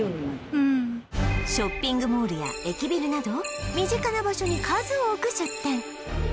ショッピングモールや駅ビルなど身近な場所に数多く出店